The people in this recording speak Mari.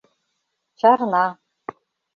Чарна.